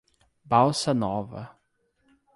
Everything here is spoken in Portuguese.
Balsa Nova